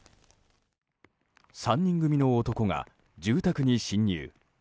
３人組の男が住宅に侵入。